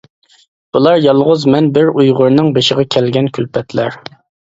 بۇلار يالغۇز مەن بىر ئۇيغۇرنىڭ بېشىغا كەلگەن كۈلپەتلەر.